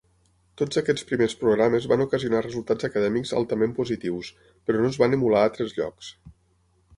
Tots aquests primers programes van ocasionar resultats acadèmics altament positius, però no es van emular a altres llocs.